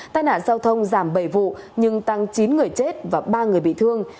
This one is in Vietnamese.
tai nạn giao thông giảm bảy vụ nhưng tăng chín người chết và ba người bị thương